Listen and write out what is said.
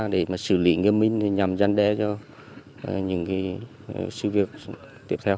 để xử lý nghiêm minh nhằm gian đe cho những sự việc tiếp theo